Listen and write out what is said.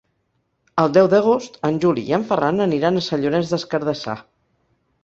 El deu d'agost en Juli i en Ferran aniran a Sant Llorenç des Cardassar.